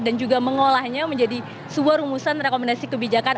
dan juga mengolahnya menjadi sebuah rumusan rekomendasi kebijakan